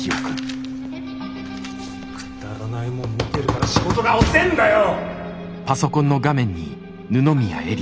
くだらないモン見てるから仕事が遅ぇんだよ！